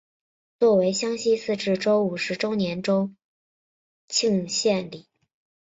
作为湘西自治州五十周年州庆献礼。